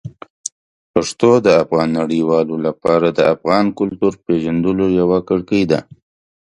پښتو د نړیوالو لپاره د افغان کلتور پېژندلو یوه کړکۍ ده.